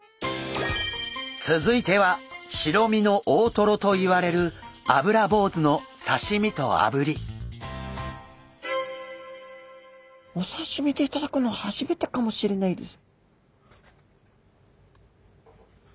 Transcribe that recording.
続いては白身の大トロといわれるお刺身で頂くの初めてかもしれないです。